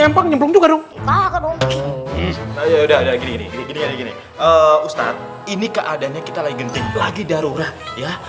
asem lambung yang adik ntar udah gini gini gini ustadz ini keadaannya kita lagi gede lagi darurat ya